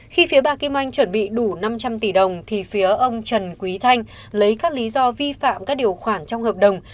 khi phía bà kim anh chuẩn bị đủ năm trăm linh tỷ đồng thì phía ông trần quý thanh lấy các lý do vi phạm các điều khoản trong hợp đồng